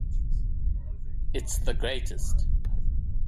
It's the greatest.